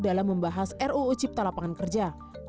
dalam membahas ruu cipta lapangan kerja